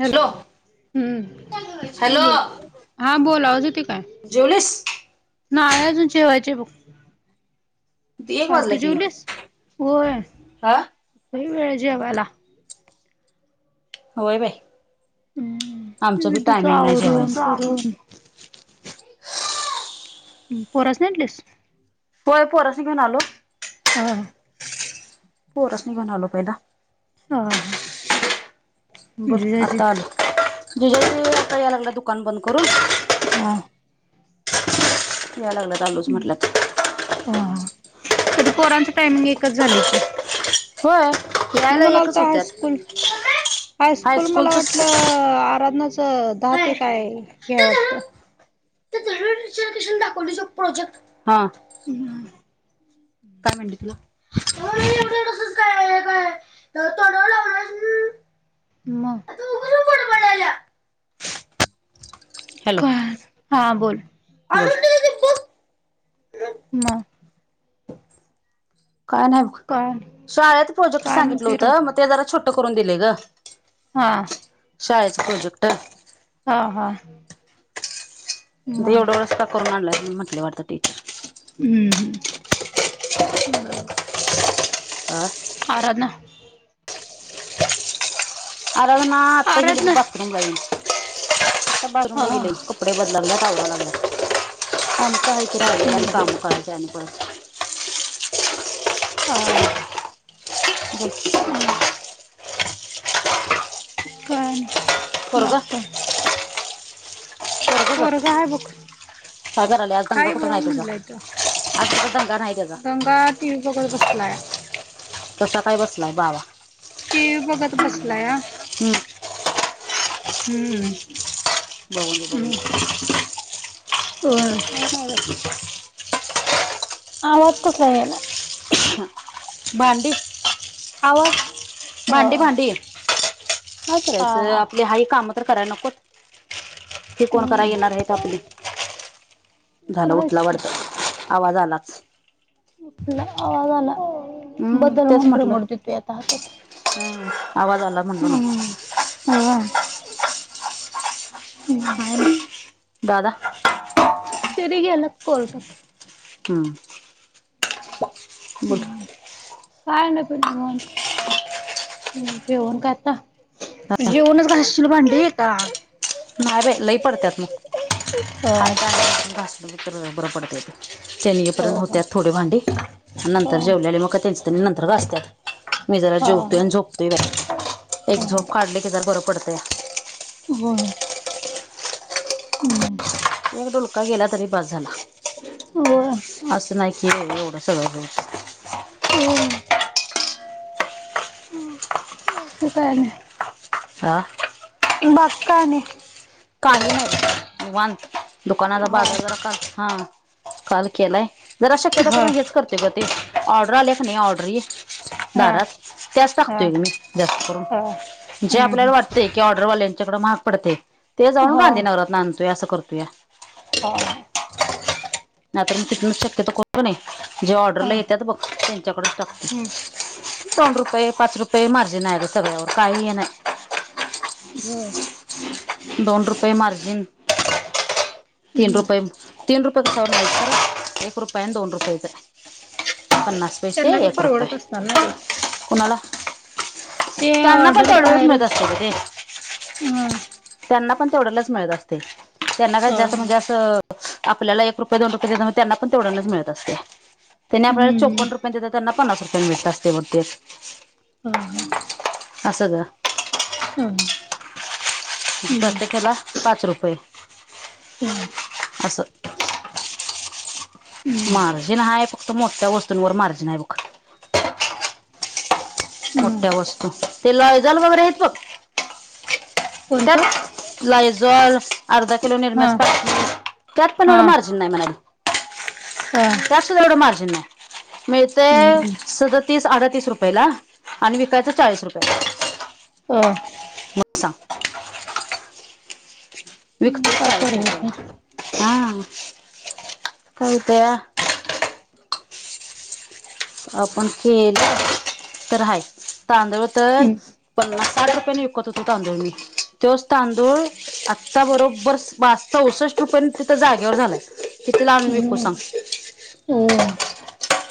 Hello hello हम्म बोल हा बोल आवाज हो ते काय? जेवलीस नाही आहे अजून जेवायची. किती एक काय वाजला तू की ग जेवलीस होय. हा लय वेळ जेवायला. होय बाई हम्म आमचं बी विदूच टायमिंग नाही आवरून जेवायचं. करून पोरासनी आटलीस. होय पोररासनी घेऊन आलो की. हा हा. पोरास्नी घेऊन आलो पहिला. हा हा बोल जिजाजी आता आले, जीजाजी आता याय लागलं दुकान बंद करून. हा याय लागलं आलोज म्हटल्यात. ह तर पोरांचं टायमिंग एकच झाली की. होय मी यायला एकच म्हनालतो होत्यात हायस्कूल हायस्कूल मला हायस्कूलच वाटलं आराधनाच दहा ते काय हेय वाटतं दाखवलीस प्रोजेक्ट हा. हम्म काय पाहिजे. हो तसच काय कायथोड्यावर लावणार [inaudible] ना [unintelligible] [unintelligible] का हा बोल. [unintelligible] म काय नाही व काय शाळेत प्रोजेक्ट काय सांगितलं म्हणते रे होतं म ते जरा छोटं करून दिले गं. हा. शाळेच्या प्रोजेक्ट हाव हा. दे मग एवढे वेळेस का करून मांडलाय म्हटले वाटतं टीचर. हम्म हम्म ब. आ आराधना आराधना आता गेली ब आराधना बाथरूमला [unintelligible] आता हा बाथरूमला गेली कप कपडे बदला लागल्या [unintelligible] आमचं हाय की [unintelligible] हम्म काम करायची आणि प हा. [unintelligible] इयो काय आणि बाका पोरगा बघ काय कराले हाय तंगा कुठून आहे तुझा? आता तर दंगा राही दंगा टी वी बघत बसलाय. तसा काय बसलाय बाबा. टी वी बघत बसलाय आं. हम्म हम्म. बघून दे बघून दे. ओय हाय बघ आवाज कसला यायलय? भांडी आवाज अ भांडी भांडी काय हा करायचं हा आपली हाय काम तर कराय नको. हे कोण करा हम्म येणार ते आहेत आपली झालं तर आहेच उठला की वाटतं. आवाज आलाच. उठला आवाज आला. हम्म बदल तेच मॉन्टरे म्हटलं मोडते ते आता हातात आवाज आला म्हटलं हम्म हम्म. हो काय हम्म. हाय ना दादा? तेरी गेल्यात कोर्टात. हम्म बुट काय ना पण निवांत हम्म जेवण काय आता? जेऊनच घासशील भांडी येता. नाही रे लई पडत्यात म ह हाय काय [unintelligible] घासलो तर बरं पडतय ते. त्यांनी ये पर्यंत हो हो होत्यात थोडे भांडी ह नंतर जेवलेले मग का त्यांचे त्यांनी नंतर घासत्यात. मी जरा हा जेवतोय आणि झोपतोय बाय एक ह झोप काढली की जरा बरं पडतंय. होय. हम्म. एक डूलका गेला तरी बस झाला. हो अ. असं नाही की एवढं सगळं [unintelligible] हो. आत्ता काय नाही. आ? बाकी काय आणि? काही नाही निवांत दुकानाचा हा बाजार जरा का हा. काल केलाय जरा शक्यतो हा करून हेच करते ग, ते ऑर्डर आले का नाही ऑर्डरी हा बारा त्यास टाकतो हा एक मी जास्त करून, हा जे हम्म आपल्याला वाट ते कि ऑर्डरवाल्यांच्याकडें महाग पडते, ते जाऊन हा गांधीनगरात आणतोय असं करतूया. हा हा. नाही तर मी तिथून शक्यतो करून का नाही जे ऑर्डरला हा येतात बघ त्यांच्याकडेचं टाकते. हम्म दोन रुपये, पाच रुपये मार्जिन आहे रे सगळ्यावर काही हे नाही. बर. दोन रुपये मार्जिन तीन हम्म रुपये तीन रुपय कशावर नाहीत एक रुपया अन् दोन रुपयचंय. पन्नास पैसे, त्यांना बी एक रुपय. परवडत असणार ना ते कुणाला? ते त्यांना पण ऑर्डर तेवढंच बाहेर मिळत असतं ग ते. हा. त्यांना पण तेवढ्यालाचं मिळत असते. त्यांना का जास्त ह म्हणजे असं आपल्याला एक रुपये, दोन रुपये देते, त्यांना पण तेवढ्यांनाच मिळत असते. त्यांनी आपल्याला हम्म चोपन्न रुपय देतात, त्यांना पन्नास रुपयांन मिळत असते बघ ते. हा हा. असं ग. हम्म. प्रत्येकाला पाच रुपये. हम्म. असं. मार्जिन हाय फक्त मोठ्या वस्तूंवर मार्जिन आहे बघ. मोठ्या वस्तू ते लायजॉल वगैरे आहेत बघ? कोणतं त्यात लायजॉल, अर्धा किलो हा निरम्याचं पाकीट त्यात पण एवढं मार्जि न नाही मिळाली. हा. त्यातसुधा एवढं मार्जिन नाही मिळतंय हम्म सदतीस अडतीस रुपयेला. आणि विकायचं चाळीस रुपये. हा. मग सांग? विकतोय काय चाळीस परवड रुपयाला. हा काळतंया. [inaudible] आपण केलं तर हाय तांदुळ तर पन्नास साठ रुपयाने विकत होतो तांदूळ मी, त्योच तांदूळ आता बरोबर बा स चौसष्ट रुपयेनं तिथं जागेवर झालाय. कित्लाआणून विकू सांग? उंउ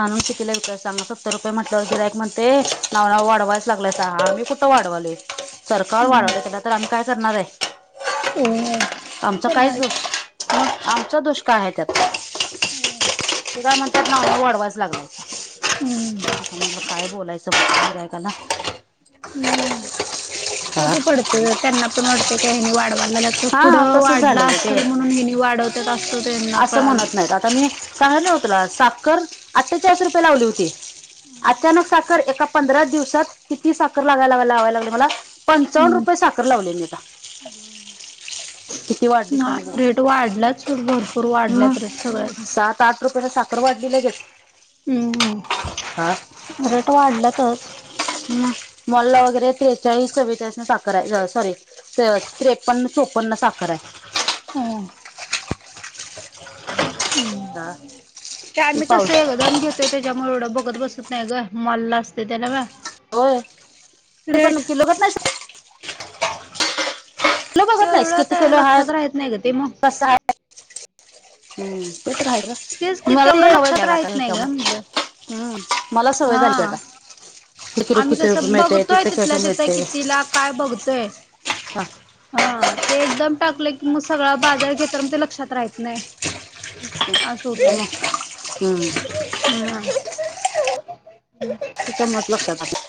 आणून कितीला विकाचा सांग? सत्तर रुपे म्हटल्याव गिरायक म्हणते, नाव राव वाडवायलाच लागयता. आमी कुट कुट्ट वाडवालंय? सरकार वाडवायलंय तेला तर आमी काय करणारय? होय ते आमचा तर काईच आहेच दोष पण आमचा दोष काय हाय त्यात? [unintelligible] ते काय म्हणतात ना वं वाडवायलाच लागलात. हम्म म्हणलं काय बोलायचं बॉ गिराईकाला? हम्म, ते हा पण पडतं, त्यांना पण वाटते का वाढवाय लाग तर हा पुढं तसंच वाढल् अस्सल म्हणून हेनी वाढवत्यात अस्स अस्स म्हणत नाहीत, आता मी सांगतलं नव तुला साक्कर अट्टेचाळीस रुपये लावली होती अचानक साकर, एका पंदराच दिवसात किती साखर लागा लावा लावा लावाय लागले मला. पंचावन् हम्म रुपये साकर लावलेली म आता, किती वाडली सांग बगू? वाडलाच सोड भरपूर वाडल्यात रेट सगळ्याच. ताट रुपयानं साकर वाढली लगेच? हं हं आं? रेट वाडलंतच. हं, मॉलला वगरे त्रेचाळीस चवेचाळीसनी साकराय. सा सॉरी. त्रेवत त्रेपन्न चोपन्न साकराय. हा हम्म, त्या ते मी कसं पाऊस येत दम घ्यूत ते त्याच्यामुळे एवडं बगत बसत नाई ग, मॉलला असते त्याला गा होय, ते पण किलोघात नाहीसा. किलो बघत तेवडं ते लक्षात राहेत नाही ग ते म. असय, हम्म, ते तर आहे ग तेच की तेवढं लक्षात मला राहत नाही ग म्हटलं [unintelligible] हं मला सवय झालीती हा आता. किती रुपये आम्ही किती रुपये कसं मिळते बघत्तोय, तिथे तिथल्या कसं तिथं मिळते हा कित्तीला काय बघतोय. हां, ते एकदम टाकले की मग सगळा बाजळ घेता म ते लक्षात राहेत नाही. अशं होतंय, त्याच्यामुळे हम्म [inaudible] हा. [inaudible] मत लक्षात आलं.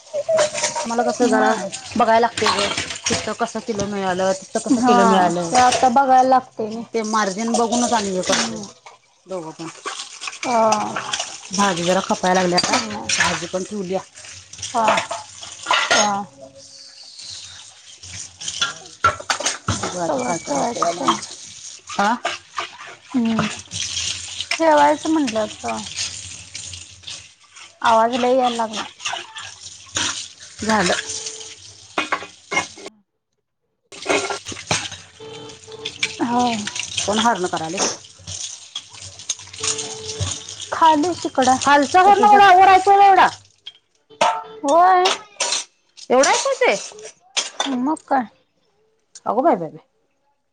मला कसं जरा हा. बघाय लागते ग, तिथं कसं किलो मिळालं? तितं कसं किलो हा मिळालं? ते आता बघायला लागतंय नाही ते मार त्यान बघूनच आणलं [inaudible] दोघं पण. ऑअ [inaudible] भाजी जरा खपाय लागली आता, भाजी पण ठेवलीय. हॉ, हॉ [inaudible] सगळं ठेवायचंच [inaudible] अं? हं, ठेवायचं म्हनलं आता. आवाज लई याय लागलाय. झालं. [inaudible] हाव. कोण हारणं करायले? [inaudible] खाली तीक खालचा वर [unintelligible] रेवडा. होय. एवढा एकच ये. मग काय अगो बाय बाय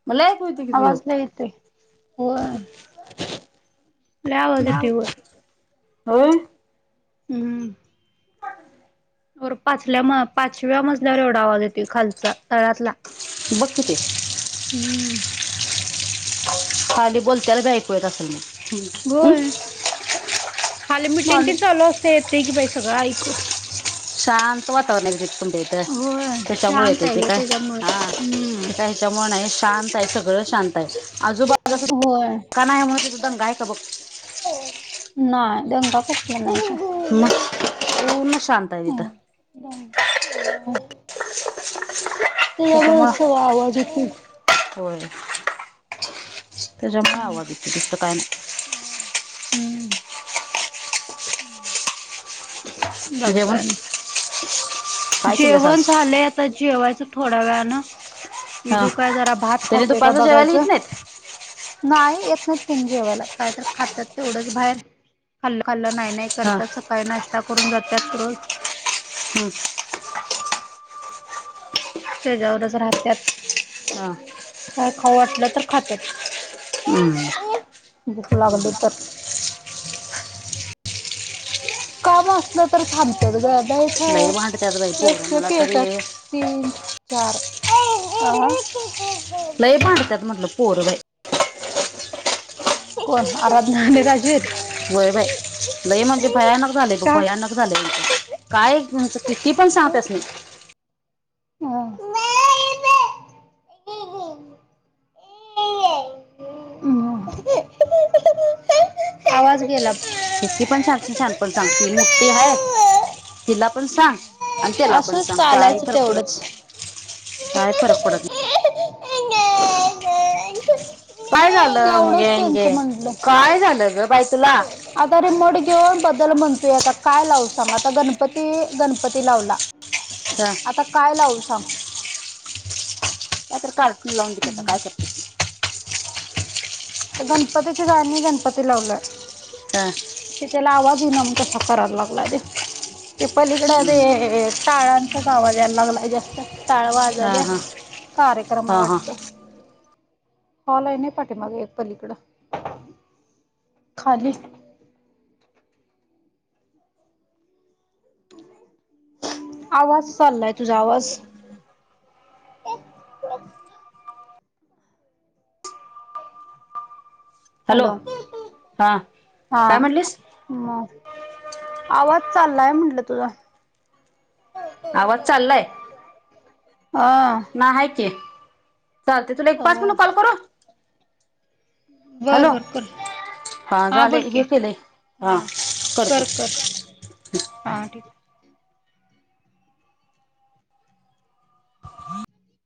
मला एक आवाज लय येतोय, होय. लय आवाज येतोय वर होय. हम्म वर पाचल्या म पाचव्या मजल्यावर एवढा आवाज येतोय खालचा तळातला बघ किती हम्म खाली बोलत्याला बी ऐकू येत असेल मग होय खाली मिटिंग ते हं? चालू असते येते की बाई सगळं ऐकू शांत वातावरण ये एकदम तुमच्या इथं होय त्याच्यामुळे शांत येते आहे ते ग काय हा त्याच्यामुळेच हम्म. ते काय ह्याच्यामुळे नाही शांत आहे सगळं शांत आजूबाजला होय दंगा आहे का बघ नाही दंगा कसला नाही. म सोड. पुर्ण शांत ये तिथ हा. त्याचमुळ‌ त्याच्यामुळं सगळ आवाज येतोय. होय, त्याच्यामुळे आवाज येतो दुसर काय नाही. हम्म. [inaudible] बघ जेवण? काय आणि काय केलंस जेवण आज झालंय, आता जेवायचं थोडा वेळाना हां विदू काय जरा भात त्याने खातोय का दुपारचं जेवायला बघायचं येत नाहीत नाही येत नाही त्यांनी जेवायला काय तर खात्यात तेवढंच बाहेर खाल्लं खाल्लं नाही नाही हां करतात सकाळी नाश्ता करून जात्यात रोज हम्म त्याच्यावरच राहत्यात. हा. काय खाऊ वाटलं तर खात्यात. हम्म. भुक लागली तर काम असलं तर थांबत्यात ग लय भांडतात बाई पोरं मला नाहीतर तरी येत्यात. तीन चार लई भांडत्यात म्हटल पोर बाई कोण आराधना आणि राजवीर व्हय बाई लई म्हणजे भयानक झाले बघ का भयानक झाले. काय तुमचं किती पण सांग त्यासनी हा हो हो. हम्म आवाज गेला इतकी पण शहाणपण शहाणपण सांगती मोठी आहे तिला पण सांग. आणि त्याला पण असं सांग काय चालायचं तरफड तेवढंच. काय फरक पडत नाही. काय झालं? तेवढंच अंगे त्यांचं अंगे म्हटलं. काय झालं ग बाय तुला? आता रिमोट घेऊन बदल म्हणतोय आता. काय लावू सांग आता गणपती. गणपती लावला. ह् [unintelligible] ह. आता काय लावू सांग? कायतर कार्टून लावून दे की आता. काय करतीस. आता गणपतीची गाणी. गणपती लावलय. हा. ते त्याला आवाज येईना मग तसा कराय लागलाय तो. ते पलीकड ती. ते टाळांचाच आवाज याय लागलाय जास्त. टाळ हा, वाजाल्यात हा, कार्यक्रम हा, आहे हा, हा. वाटतं. हॉल आहे नाही पाठीमागे एक पलीकड खाली आवाज चाललाय तुझा. आवाज. हॅलो. हा हा. काय म्हटलीस मग. आवाज चाललाय म्हंटलं तुझा. आवाज चाललाय? हा नाही आहे की. चालतंय तुला एक पाच मिनिटानं कॉल करू. बरं हॅलो बर कर. हा झाले बोल की. हे केले हा करतो कर कर. हा ठीक आहे.